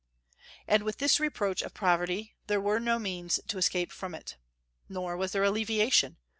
And with this reproach of poverty there were no means to escape from it. Nor was there alleviation.